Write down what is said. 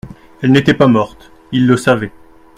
Elle n'était pas morte, il le savait.